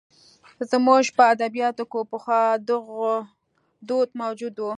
زموږ په ادبیاتو کې پخوا دغه دود موجود و.